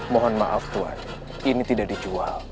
mohon maaf tuhan ini tidak dijual